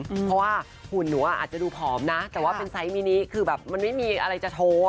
เพราะว่าหุ่นหนูอาจจะดูผอมนะแต่ว่าเป็นไซส์มินิคือแบบมันไม่มีอะไรจะโชว์